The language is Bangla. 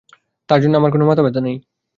তার জন্য আমার কোন মাথাব্যথা নেই।